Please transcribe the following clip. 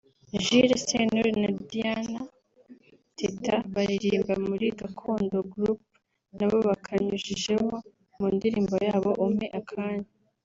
Jules Sentore na Diana Teta baririmba muri Gakondo Group na bo bakanyujijeho mu ndirimbo yabo ‘Umpe Akanya’